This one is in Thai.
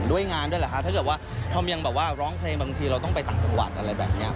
ด้วยงานด้วยเหรอคะถ้าเกิดว่าธอมยังแบบว่าร้องเพลงบางทีเราต้องไปต่างจังหวัดอะไรแบบนี้